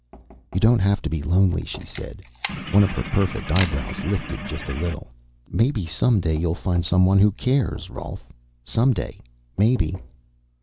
"You don't have to be lonely," she said. One of her perfect eyebrows lifted just a little. "Maybe someday you'll find someone who cares, Rolf. Someday, maybe."